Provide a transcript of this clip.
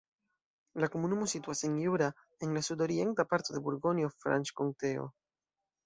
La komunumo situas en Jura, en la sudorienta parto de Burgonjo-Franĉkonteo.